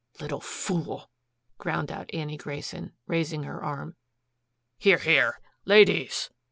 "Little fool!" ground out Annie Grayson, raising her arm. "Here here LADIES!"